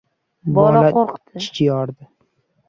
Bola qo‘rqdi!